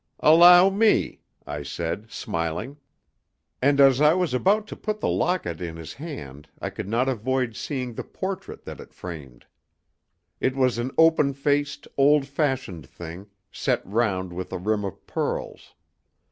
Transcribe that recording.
"Allow me," I said, smiling. And as I was about to put the locket in his hand I could not avoid seeing the portrait that it framed. It was an open faced, old fashioned thing, set round with a rim of pearls.